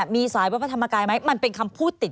มีสายวัดพระธรรมกายไหม